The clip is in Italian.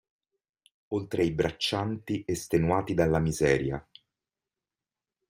Oltre ai braccianti estenuati dalla miseria.